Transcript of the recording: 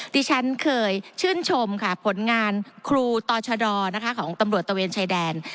ที่ฉันเคยชื่นชมค่ะผลงานครูต่อชะดอนะคะของตำรวจตะเวนชายแดน